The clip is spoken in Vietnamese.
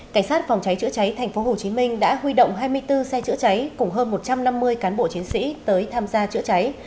cảnh sát phòng cháy chữa cháy tp hcm đã huy động hai mươi bốn xe chữa cháy cùng hơn một trăm năm mươi cán bộ chiến sĩ tới tham gia chữa cháy